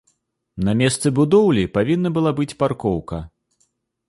На месцы будоўлі павінна была быць паркоўка.